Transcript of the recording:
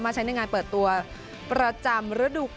มาใช้ในงานเปิดตัวประจำรดุ